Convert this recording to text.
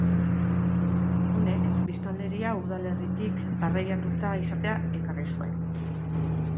Honek biztanleria udalerritik barreiatuta izatea ekarri zuen.